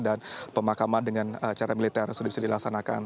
dan pemakaman dengan cara militer sudah bisa dilaksanakan